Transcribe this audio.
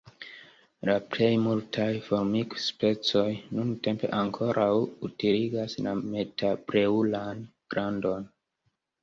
La plej multaj formikspecoj nuntempe ankoraŭ utiligas la metapleŭran glandon.